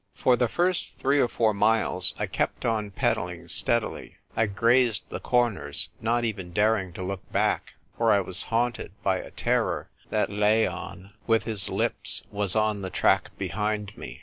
For the first three or four miles I kept on pedalling steadily. I grazed the corners, not even daring to look back, for I was haunted by a terror that Loon, with his lips, was on the track behind me.